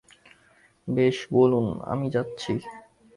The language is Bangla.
বেশ, বলুন, আমি যাচ্ছি।